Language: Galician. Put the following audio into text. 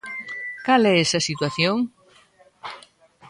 ¿Cal é esa situación?